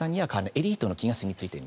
エリートの菌がすみ着いている。